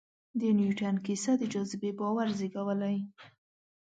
د نیوټن کیسه د جاذبې باور زېږولی.